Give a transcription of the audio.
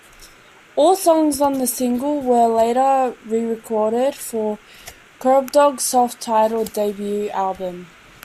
All songs on the single were later re-recorded for Kerbdog's self titled debut album.